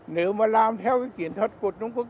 nếu mà làm theo cái chiến thuật của trung quốc